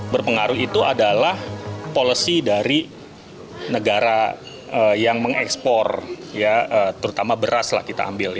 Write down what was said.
berpengaruh itu adalah policy dari negara yang mengekspor terutama beras lah kita ambil